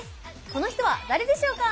この人は誰でしょうか？